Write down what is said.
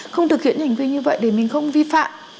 không thực hiện hành vi như vậy để mình không vi phạm